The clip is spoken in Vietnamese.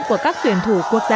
của các tuyển thủ quốc gia